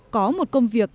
có một công việc